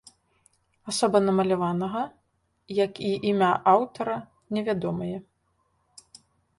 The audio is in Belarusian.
Асоба намаляванага, як і імя аўтара, невядомыя.